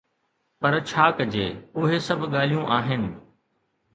پر ڇا ڪجي، اهي سڀ ڳالهيون آهن.